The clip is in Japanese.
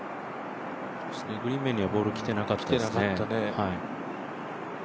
グリーン面にはボール来てなかったですね。